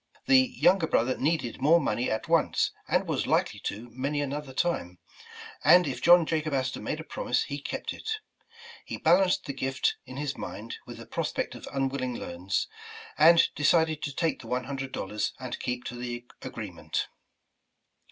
The younger brother needed more money at once, and was likely to many another time, and if John Jacob Astor made a promise, he kept it. He balanced the gift in his mind, with th^? prospect of unwilling loans, and decided to take the one hundred dollars and keep to the agreement.